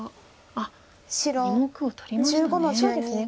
あっ２目を取りましたね。